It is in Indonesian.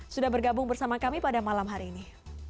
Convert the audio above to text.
sudah bergabung bersama kami pada malam hari ini